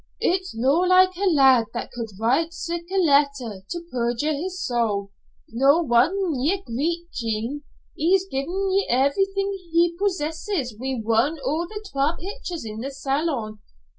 "It's no like a lad that could write sic a letter, to perjure his soul. No won'er ye greet, Jean. He's gi'en ye everything he possesses, wi' one o' the twa pictures in the Salon!